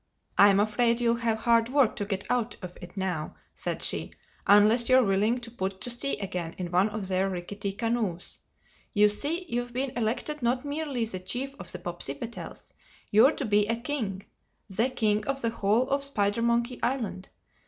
"I'm afraid you'll have hard work to get out of it now," said she—"unless you're willing to put to sea again in one of their rickety canoes. You see you've been elected not merely the Chief of the Popsipetels; you're to be a king—the King of the whole of Spidermonkey Island.